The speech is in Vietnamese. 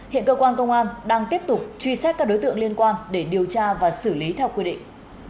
hiện cơ quan công an đang tiếp tục truy xét các đối tượng liên quan để điều tra và xử lý theo quy định